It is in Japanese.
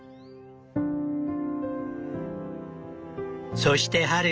そして春。